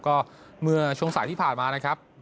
ก็เมื่อช่วงสายที่ผ่านมานะครับ